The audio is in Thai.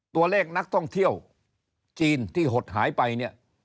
ตัวเลขนักท่องเที่ยวจีนที่หดหายไปเนี่ย